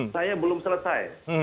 saya belum selesai